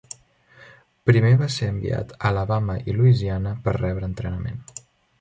Primer va ser enviat a Alabama i Louisiana per rebre entrenament.